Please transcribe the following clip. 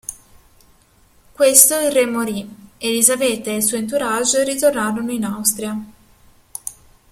Questo il re morì, Elisabetta e il suo entourage ritornarono in Austria.